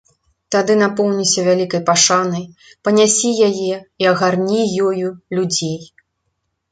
Тады напоўніся вялікай пашанай, панясі яе і агарні ёю людзей.